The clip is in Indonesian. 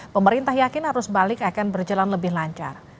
pemerintah yakin arus balik akan berjalan lebih lancar